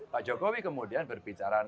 pak jokowi kemudian berbicara